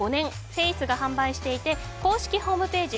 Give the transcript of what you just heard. フェイスが販売していて公式ホームページ